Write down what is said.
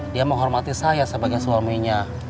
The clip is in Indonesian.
dia menghormati saya sebagai suaminya